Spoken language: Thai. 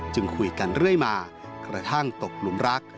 คุยกันเรื่อยมากระทั่งตกหลุมรัก